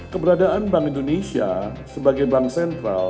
keberadaan bank indonesia sebagai bank sentral